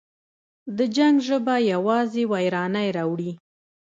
د جنګ ژبه یوازې ویرانی راوړي.